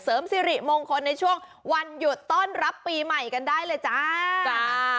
สิริมงคลในช่วงวันหยุดต้อนรับปีใหม่กันได้เลยจ้า